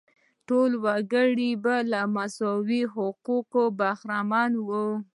ټول وګړي به له مساوي حقونو برخمن وو.